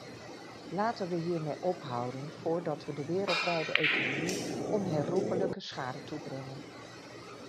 Laten we hiermee ophouden, voordat we de wereldwijde economie onherroepelijke schade toebrengen.